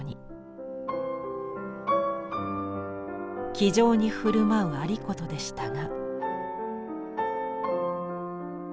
気丈に振る舞う有功でしたが。